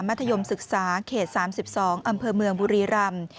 ธยมศึกษาเขต๓๒อำเภอเมืองบุรีรำ